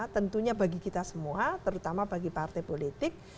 tentunya bagi kita semua terutama bagi partai politik